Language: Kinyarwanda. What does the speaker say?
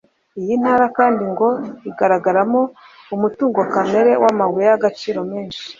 Iyi ntara kandi ngo igaragaramo umutungo kamere w’amabuye y’agaciro menshi